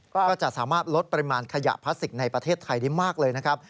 ก็จะสามารถลดปริมาณขยะพลาสติกในประเทศไทยได้มากเลยนะครับ